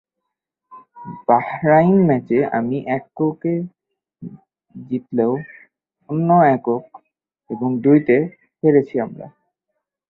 Bahrain ম্যাচে আমি এককে জিতলেও অন্য একক এবং দ্বৈতে হেরেছি আমরা।